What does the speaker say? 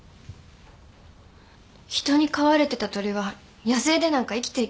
人に飼われてた鳥は野生でなんか生きていけないよ。